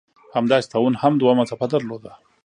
همداسې طاعون هم دوهمه څپه درلوده.